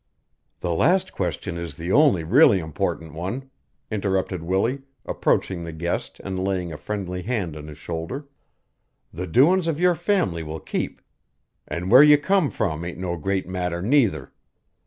"The last question is the only really important one," interrupted Willie, approaching the guest and laying a friendly hand on his shoulder. "The doin's of your family will keep; an' where you come from ain't no great matter neither.